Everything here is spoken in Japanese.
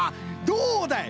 どうだい！